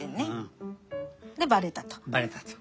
でバレたと。